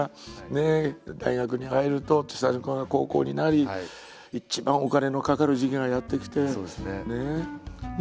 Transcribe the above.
大学に入ると下の子が高校になり一番お金のかかる時期がやって来てね。